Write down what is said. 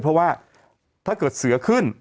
เพราะว่าถ้าเกิดเสือขึ้น